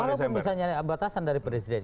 kalaupun misalnya batasan dari presiden